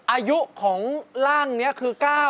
อายุของร่างนี้คือ๙๐